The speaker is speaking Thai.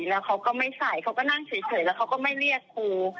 แล้วเขาก็ไม่ใส่เขาก็นั่งเฉยแล้วเขาก็ไม่เรียกครู